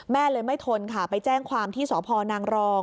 แม่เลยไม่ทนค่ะไปแจ้งความที่สพนางรอง